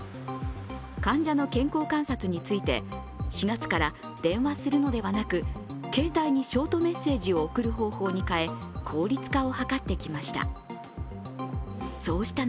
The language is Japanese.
患者の健康観察について４月から電話するのではなく携帯にショートメッセージを送る方法に変え効率化を図ってきました。